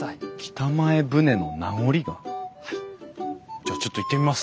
じゃあちょっと行ってみます。